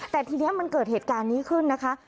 แต่ทีนี้มันเกิดเหตุการณ์นี้ขึ้นนะคะ